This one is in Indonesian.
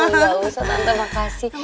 gak usah tante makasih